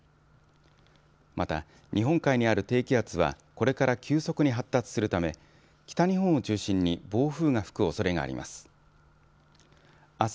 また、日本海にある低気圧はこれから急速に発達するため北日本を中心に暴風が吹くおそれがあります。